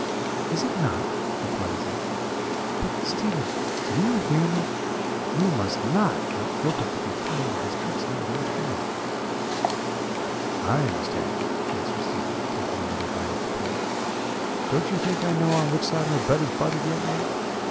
"'Is it not?' replied his aunt; 'but, Stephen, do you hear me? you must not let Griffith be playing his tricks on Master Low.' "'I understand,' answered Stephen, taking another bite at the pear. 'Don't you think I know on which side my bread is buttered yet, aunt?'